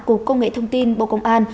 cục công nghệ thông tin bộ công an